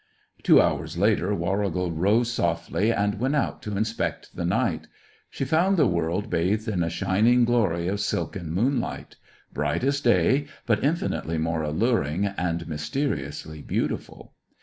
Two hours later, Warrigal rose softly and went out to inspect the night. She found the world bathed in a shining glory of silken moonlight; bright as day, but infinitely more alluring and mysteriously beautiful.